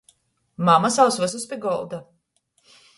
Mama sauc vysus pi golda!